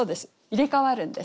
入れ代わるんです。